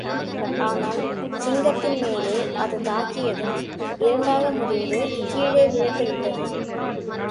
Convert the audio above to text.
ஆனால், சிங்கத்தின்மேலே அது தாக்கியதும், இரண்டாக முறிந்து கீழே வீழ்ந்துவிட்டது.